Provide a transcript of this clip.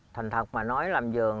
thành thật mà nói làm vườn